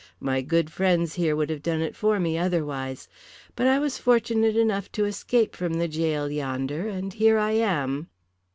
My good friends here would have done it for me otherwise. But I was fortunate enough to escape from the gaol yonder, and here I am."